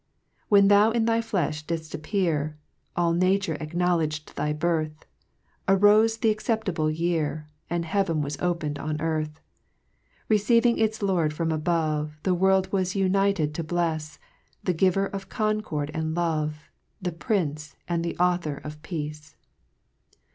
2 When thou in thy fiefli didft appear, All nature acknowlcdg'd thy birth; Arofe the acceptable year, And heaven was open'd on earth; Receiving its Lord from above, The world was united to blefs, The Giver of concord and love, The Prince and the Author of Peace.